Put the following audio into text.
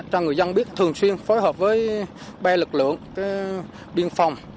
cho người dân biết thường xuyên phối hợp với ba lực lượng biên phòng